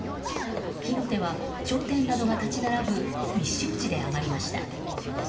火の手は商店などが立ち並ぶ密集地で上がりました。